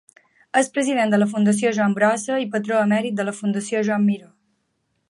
És president de la Fundació Joan Brossa i patró emèrit de la Fundació Joan Miró.